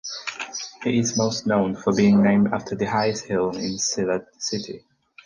He is most known for being named after the highest hill in Sylhet city.